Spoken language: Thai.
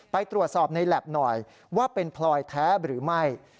ไปตรวจสอบในแล็บหน่อยว่าเป็นพลอยแท้หรือไม่